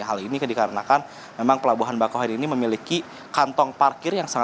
hal ini dikarenakan memang pelabuhan bakauheni ini memiliki kantong parah